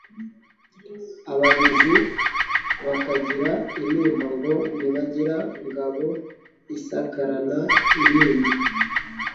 Abahizi bakagira intimba ngo ntibagira ngabo isakarana inkindi